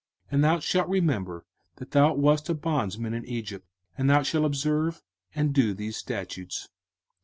05:016:012 And thou shalt remember that thou wast a bondman in Egypt: and thou shalt observe and do these statutes.